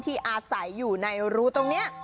อาศัยอยู่ในรูตรงนี้